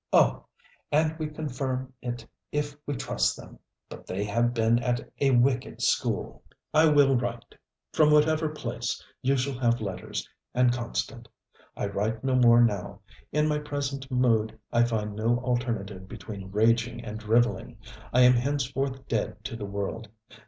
Oh! and we confirm it if we trust them. But they have been at a wicked school. 'I will write. From whatever place, you shall have letters, and constant. I write no more now. In my present mood I find no alternative between rageing and drivelling. I am henceforth dead to the world.